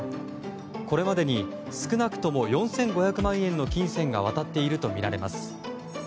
これまでに少なくとも４５００万円の金銭が渡っているとみられます。